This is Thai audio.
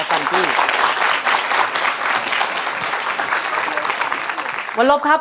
เยี่ยม